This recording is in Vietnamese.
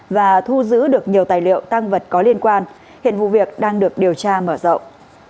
và thu giữ được nhiều tài liệu tăng vật có liên quan hiện vụ việc đang được điều tra mở rộng